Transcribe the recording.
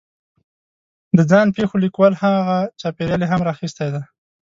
د ځان پېښو لیکوال هغه چاپېریال یې هم را اخستی دی